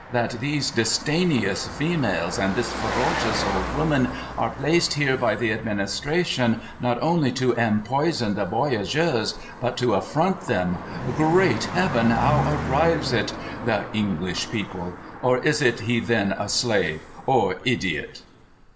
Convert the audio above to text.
That these disdaineous females and this ferocious old woman are placed here by the administration, not only to empoison the voyagers, but to afiront them ! Great Heaven ! How arrives it ? The English people. Or is he then a slave ? Or idiot